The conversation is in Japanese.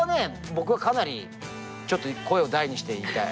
僕はかなりちょっと声を大にして言いたい。